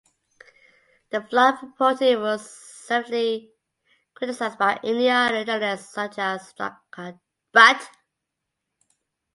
The flawed reporting was severely criticised by India and journalists such as Barkha Dutt.